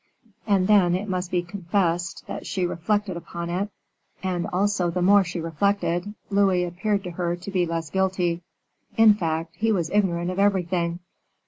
And then it must be confessed that she reflected upon it, and also the more she reflected, Louis appeared to her to be less guilty. In fact, he was ignorant of everything.